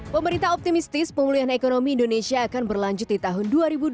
pemerintah optimistis pemulihan ekonomi indonesia akan berlanjut di tahun dua ribu dua puluh